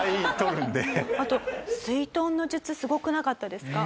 あと水遁の術すごくなかったですか？